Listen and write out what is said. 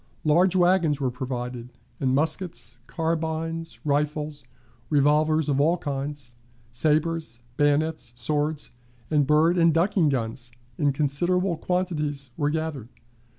Large wagons were provided, and muskets, carbines, rifles, revolvers of all kinds, sabers, bayonets, swords, and bird and ducking guns in considerable quantities were gathered.